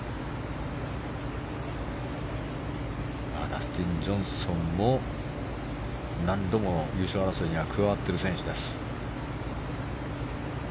ダスティン・ジョンソンも何度も優勝争いには加わっている選手です。